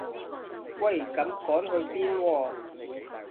喂咁趕去邊喎